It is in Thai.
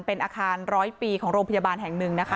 เป็นอาคารร้อยปีของโรงพยาบาลแห่งหนึ่งนะคะ